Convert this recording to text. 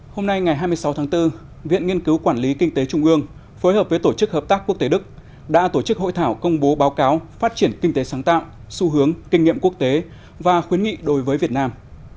hôm nay ngày hai mươi sáu tháng bốn viện nghiên cứu quản lý kinh tế trung ương phối hợp với tổ chức hợp tác quốc tế đức đã tổ chức hội thảo công bố báo cáo phát triển kinh tế sáng tạo xu hướng kinh nghiệm quốc tế và khuyến nghị đối với việt nam